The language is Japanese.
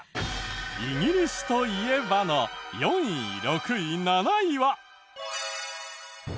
「イギリスといえば」の４位６位７位は。